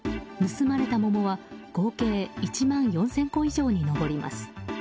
盗まれた桃は合計１万４０００個以上に上ります。